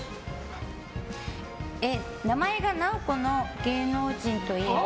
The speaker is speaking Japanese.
名前が「なおこ」の芸能人といえば？